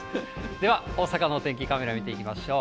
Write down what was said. では、大阪のお天気カメラ見ていきましょう。